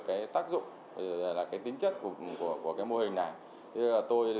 cái tác dụng cái tính chất của cái mô hình này